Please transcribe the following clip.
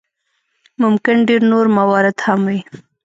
ممکن ډېر نور موارد هم وي.